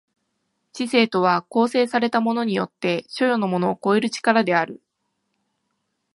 知性とは構成されたものによって所与のものを超える力である。